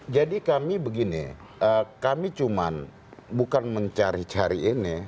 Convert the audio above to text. jadi kami begini kami cuma bukan mencari cari ini